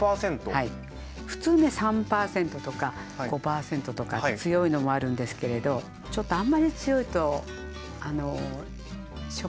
普通ね３％とか５％とかって強いのもあるんですけれどちょっとあんまり強いとしょっぱいじゃないですか。